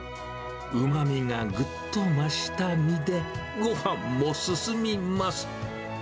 うまみがぐっと増した身で、ごはんも進みます。